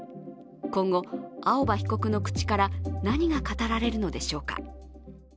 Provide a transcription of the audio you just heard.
今後、青葉被告の口から何が語られるのでしょうか。